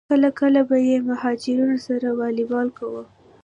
کله کله به یې مهاجرینو سره والیبال کاوه.